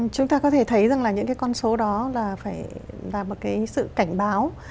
chúng ta có thể thấy rằng là những con số đó là một sự cảnh báo